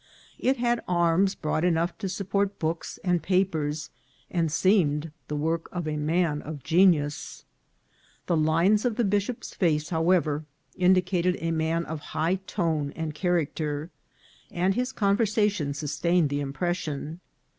It had arms broad enough to support books and papers, and seem ed the work of a man of genius. The lines of the bishop's face, however, indicated a man of high tone and character, and his conversation sustained the im pression.